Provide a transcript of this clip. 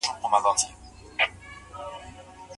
ځیني ماشومان د لیدلو له لاري ښه زده کوي.